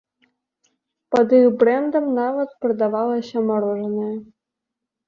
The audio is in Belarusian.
Пад іх брэндам нават прадавалася марожанае.